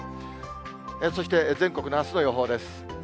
そして全国のあすの予報です。